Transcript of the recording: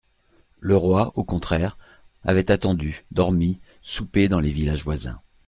Le roi, au contraire, avait attendu, dormi, soupé dans les villages voisins.